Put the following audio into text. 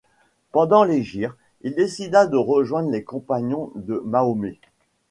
Pendant l'hégire, il décida de rejoindre les compagnons de Mahomet.